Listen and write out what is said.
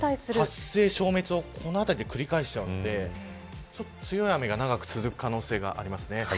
発生、消滅をこの辺りで繰り返すので強い雨が長く続く可能性があります。